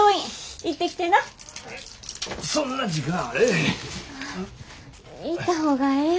行った方がええよ。